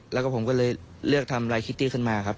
แล้วก็ผมก็เลยเลือกทำลายคิตตี้ขึ้นมาครับ